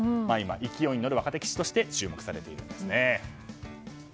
今、勢いに乗る若手棋士として注目されているんですね。